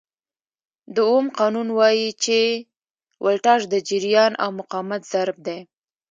د اوم قانون وایي ولټاژ د جریان او مقاومت ضرب دی.